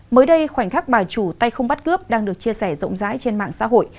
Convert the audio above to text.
mới đây khoảnh khắc bà chủ tay không bắt cướp đang được chia sẻ rộng rãi trên mạng xã hội